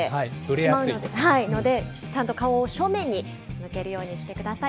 なので、ちゃんと顔を正面に向けるようにしてください。